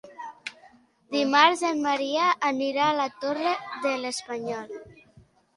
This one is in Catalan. Dimarts en Maria anirà a la Torre de l'Espanyol.